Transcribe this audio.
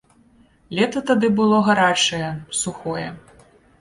Лета тады было гарачае, сухое.